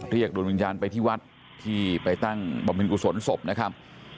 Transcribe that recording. ดวงวิญญาณไปที่วัดที่ไปตั้งบำเพ็ญกุศลศพนะครับ